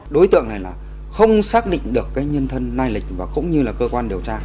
đối tượng này là không xác định được cái nhân thân lai lịch và cũng như là cơ quan điều tra